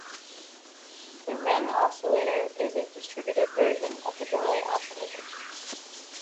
The ring oscillator is a distributed version of the delay oscillator.